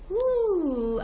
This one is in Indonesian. kita ketemu lagi